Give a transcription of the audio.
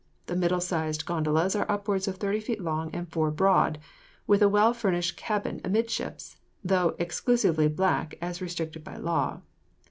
The middle sized gondolas are upwards of 30 feet long and 4 broad, with a well furnished cabin amidships, though exclusively black as restricted by law.